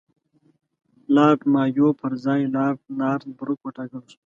لارډ مایو پر ځای لارډ نارت بروک وټاکل شو.